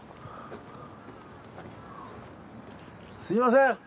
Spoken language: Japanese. すみません。